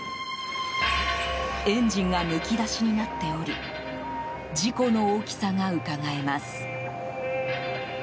エンジンがむき出しになっており事故の大きさがうかがえます。